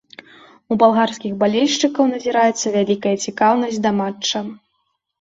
У балгарскіх балельшчыкаў назіраецца вялікая цікаўнасць да матча.